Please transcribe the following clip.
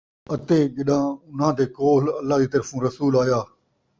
اَتے ڄَݙاں اُنھاں دے کولھ اللہ دِی طرفوں رسول آیا،